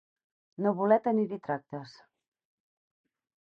No voler tenir-hi tractes.